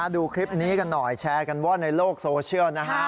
ดูคลิปนี้กันหน่อยแชร์กันว่าในโลกโซเชียลนะฮะ